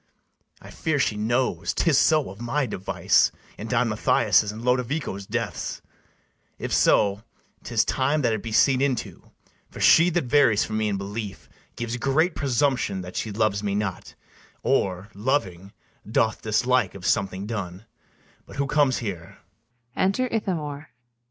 I fear she knows 'tis so of my device In Don Mathias' and Lodovico's deaths: If so, 'tis time that it be seen into; For she that varies from me in belief, Gives great presumption that she loves me not, Or, loving, doth dislike of something done. But who comes here?